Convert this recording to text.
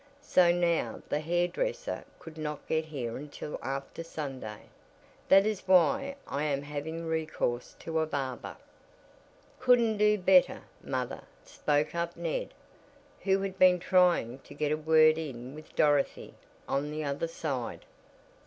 So now the hair dresser could not get here until after Sunday. That is why I am having recourse to a barber." "Couldn't do better, mother," spoke up Ned, who had been trying to get a word in with Dorothy "on the other side."